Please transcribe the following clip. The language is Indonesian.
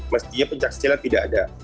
mestinya pencaksilan tidak ada